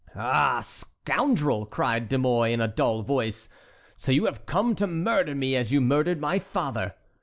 "Ah, scoundrel!" cried De Mouy, in a dull voice, "so you have come to murder me as you murdered my father!"